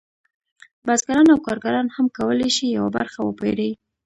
بزګران او کارګران هم کولی شي یوه برخه وپېري